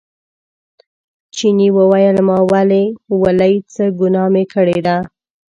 چیني وویل ما ولې ولئ څه ګناه مې کړې ده.